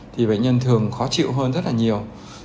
thì bệnh nhân thường khó chịu hơn rất là nhiều